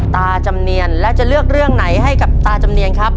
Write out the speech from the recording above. จำเนียนและจะเลือกเรื่องไหนให้กับตาจำเนียนครับ